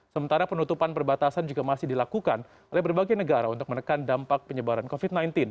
sementara penutupan perbatasan juga masih dilakukan oleh berbagai negara untuk menekan dampak penyebaran covid sembilan belas